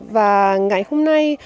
và ngày hôm nay